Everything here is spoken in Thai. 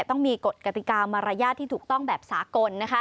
ต้องมีกฎกติกามารยาทที่ถูกต้องแบบสากล